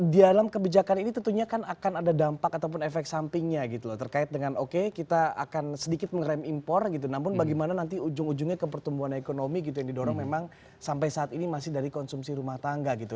di dalam kebijakan ini tentunya kan akan ada dampak ataupun efek sampingnya gitu loh terkait dengan oke kita akan sedikit mengerem impor gitu namun bagaimana nanti ujung ujungnya ke pertumbuhan ekonomi gitu yang didorong memang sampai saat ini masih dari konsumsi rumah tangga gitu